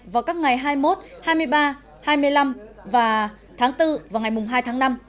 vào các ngày hai mươi một hai mươi ba hai mươi năm và tháng bốn vào ngày hai tháng năm